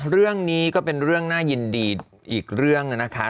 เรื่องนี้ก็เป็นเรื่องน่ายินดีอีกเรื่องนะคะ